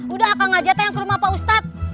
udah akang aja teh yang ke rumah pak ustadz